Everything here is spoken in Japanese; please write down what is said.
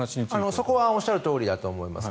そこはおっしゃるとおりだと思います。